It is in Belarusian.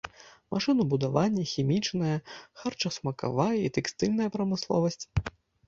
Машынабудаванне, хімічная, харчасмакавая і тэкстыльная прамысловасць.